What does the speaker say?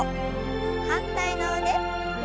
反対の腕。